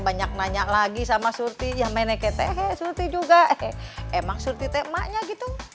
banyak nanya lagi sama suti juga emang